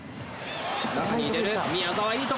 中に入れる、宮澤、いい所。